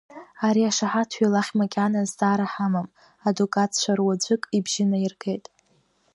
Ари ашаҳаҭҩы лахь макьана азҵаара ҳамам, адукатцәа руаӡәык ибжьы наиргеит.